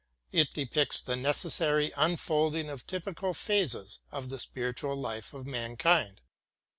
It depicts the necessary unfolding of typical phases of the spiritual life of mankind.